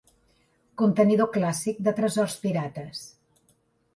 Contenidor clàssic de tresors pirates.